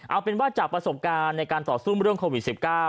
เอาเป็นว่าจากประสบการณ์ในการต่อสู้เรื่องโควิด๑๙